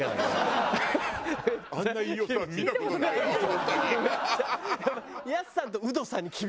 あんな飯尾さん見た事ない本当に。